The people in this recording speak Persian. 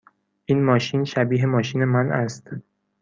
این ماشین شبیه ماشین من است.